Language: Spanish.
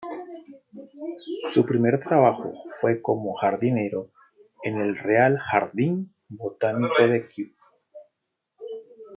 Su primer trabajo fue como jardinero en el Real Jardín Botánico de Kew.